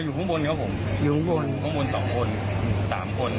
อยู่ข้างบนครับผมข้างบน๒คนสามคน